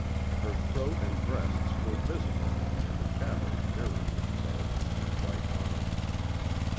Her throat and breasts were visible and the shadows mirrored themselves in her white arms.